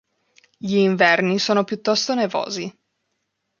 Gli inverni sono piuttosto nevosi.